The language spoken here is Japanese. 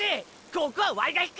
ここはワイが引く。